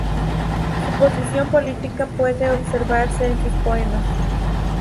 Su posición política puede observarse en sus poemas.